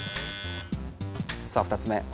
さあ２つ目。